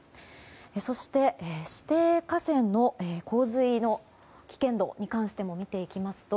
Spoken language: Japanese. そして、指定河川の洪水の危険度に関しても見ていきます。